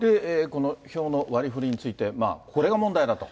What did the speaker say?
この票の割りふりについて、これが問題だと。